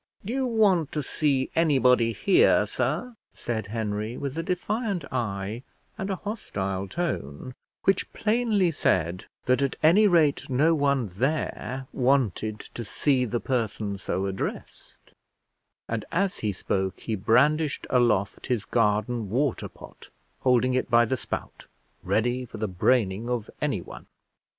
"Do you want to see anybody here, sir?" said Henry, with a defiant eye and a hostile tone, which plainly said that at any rate no one there wanted to see the person so addressed; and as he spoke he brandished aloft his garden water pot, holding it by the spout, ready for the braining of anyone.